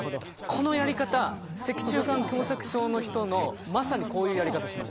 このやり方脊柱管狭窄症の人のまさにこういうやり方します。